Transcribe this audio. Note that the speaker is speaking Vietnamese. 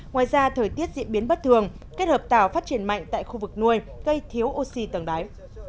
ngoài ra thời tiết diễn biến bất thường kết hợp tảo phát triển mạnh tại khu vực nuôi gây thiếu oxy tầng đáy